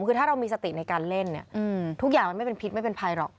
คือถ้าเรามีสติในการเล่นเนี่ยทุกอย่างมันไม่เป็นพิษไม่เป็นภัยหรอก